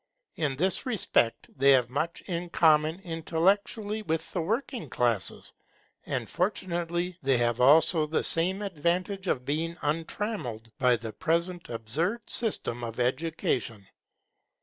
In this respect they have much in common intellectually with the working classes; and fortunately they have also the same advantage of being untrammelled by the present absurd system of education.